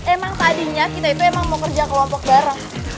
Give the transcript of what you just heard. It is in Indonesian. emang tadinya kita itu emang mau kerja kelompok bareng